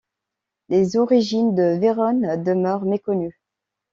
Les origines de Véronnes demeurent méconnues.